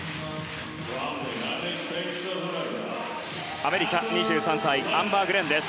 アメリカ、２３歳アンバー・グレンです。